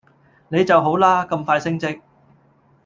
你就好啦！咁快升職。